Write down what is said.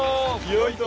よいと。